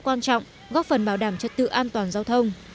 quan trọng góp phần bảo đảm trật tự an toàn giao thông